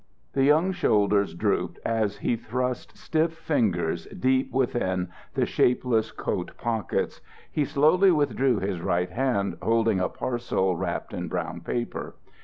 The young shoulders drooped as he thrust stiff fingers deep within the shapeless coat pockets. He slowly withdrew his right hand holding a parcel wrapped in brown paper.